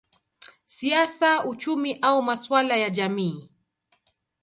siasa, uchumi au masuala ya jamii.